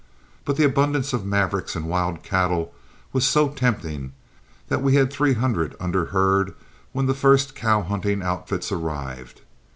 But the abundance of mavericks and wild cattle was so tempting that we had three hundred under herd when the first cow hunting outfits arrived.